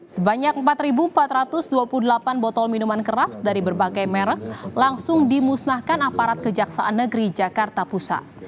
sebanyak empat empat ratus dua puluh delapan botol minuman keras dari berbagai merek langsung dimusnahkan aparat kejaksaan negeri jakarta pusat